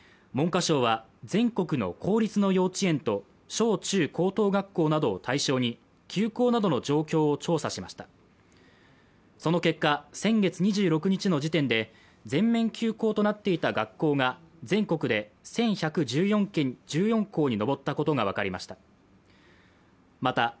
文科省は全国の公立の幼稚園と小中高等学校などを対象に休校などの状況を調査しましたその結果、先月２６日の時点で全面休校となっていた学校が全国で１１１４校に上ったことが分かりました